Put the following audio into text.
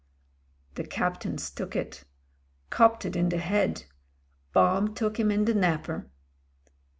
"The Captain's took it. Copped it in the head. Bomb took him in the napper."